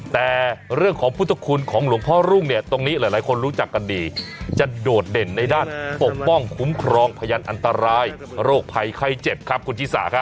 แต่เรื่องของพุทธคุณของหลวงพ่อรุ่งเนี่ยตรงนี้หลายคนรู้จักกันดีจะโดดเด่นในด้านปกป้องคุ้มครองพยานอันตรายโรคภัยไข้เจ็บครับคุณชิสาครับ